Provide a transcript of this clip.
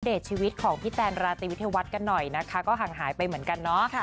ชีวิตของพี่แตนราตรีวิทยาวัฒน์กันหน่อยนะคะก็ห่างหายไปเหมือนกันเนาะ